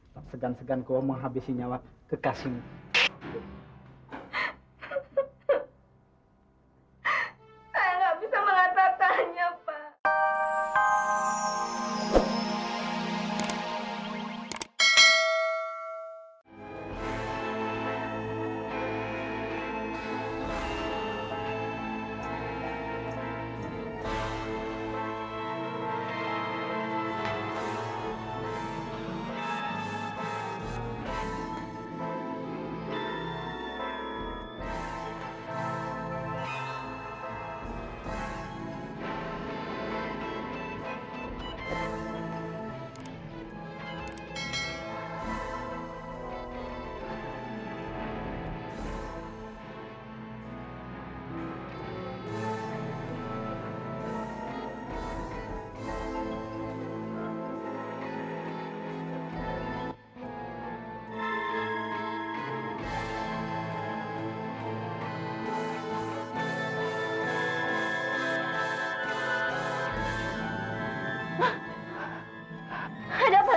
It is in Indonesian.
tak segan segan kau menghabisi nyawa kekasihmu